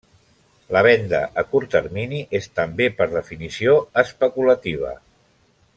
La venda a curt termini és també, per definició, especulativa.